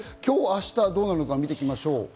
今日、明日、どうなるのか見てきましょう。